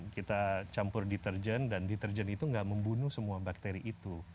kita campur deterjen dan deterjen itu nggak membunuh semua bakteri itu